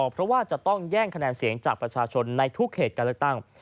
เพราะว่าจะต้องแย่งคะแนนเสียงจากประชาชนในทุกเขตการเลือกตั้ง